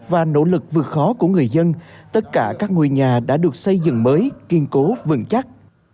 và nỗ lực vượt khó của người dân tất cả các ngôi nhà đã được xây dựng mới kiên cố vững chắc